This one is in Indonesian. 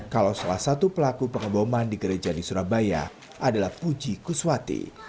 kalau salah satu pelaku pengeboman di gereja di surabaya adalah puji kuswati